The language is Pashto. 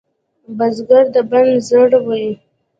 بزګر د بڼ زړه وي